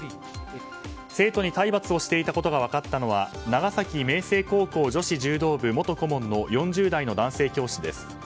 生徒に体罰をしていたことが分かったのは長崎明誠高校女子柔道部元顧問の４０代の男性教師です。